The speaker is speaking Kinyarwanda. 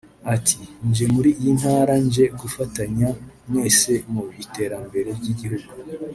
Ati “Nje muri iyi ntara nje gufatanya mwese mu iterambere ry’igihugu